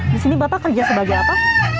di sini bapak kerja sebagai apa